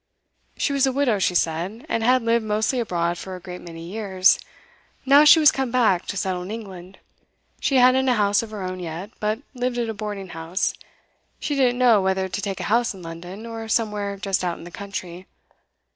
She was a widow, she said, and had lived mostly abroad for a great many years; now she was come back to settle in England. She hadn't a house of her own yet, but lived at a boarding house; she didn't know whether to take a house in London, or somewhere just out in the country.